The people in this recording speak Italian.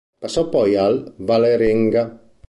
Passò poi al Vålerenga.